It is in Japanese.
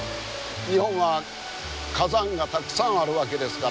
日本は火山がたくさんあるわけですからね。